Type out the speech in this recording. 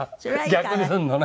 逆にするのね。